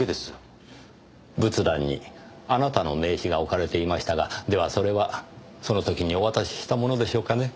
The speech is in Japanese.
仏壇にあなたの名刺が置かれていましたがではそれはその時にお渡ししたものでしょうかね？